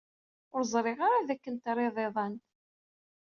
Ur ẓriɣ ara dakken trid iḍan.